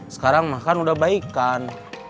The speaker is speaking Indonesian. sekarang mah kan udah baikan